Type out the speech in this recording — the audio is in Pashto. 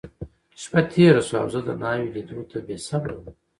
شپه تېره شوه، او زه د ناوې لیدو ته بېصبره وم.